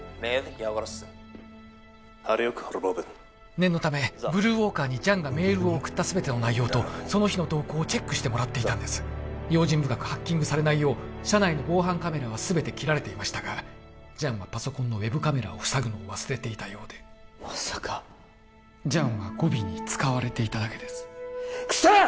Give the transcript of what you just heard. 念のためブルーウォーカーにジャンがメールを送った全ての内容とその日の動向をチェックしてもらっていたんです用心深くハッキングされないよう社内の防犯カメラは全て切られていましたがジャンはパソコンのウェブカメラをふさぐのを忘れていたようでまさかジャンはゴビに使われていただけですクソッ！